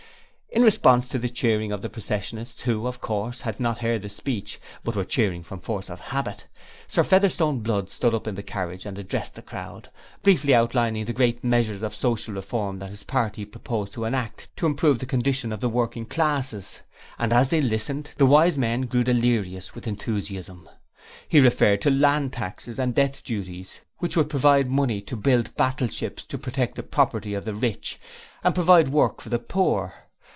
In response to the cheering of the processionists who, of course, had not heard the speech, but were cheering from force of habit Sir Featherstone Blood stood up in the carriage and addressed the crowd, briefly outlining the great measures of Social Reform that his party proposed to enact to improve the condition of the working classes; and as they listened, the Wise Men grew delirious with enthusiasm. He referred to Land Taxes and Death Duties which would provide money to build battleships to protect the property of the rich, and provide Work for the poor.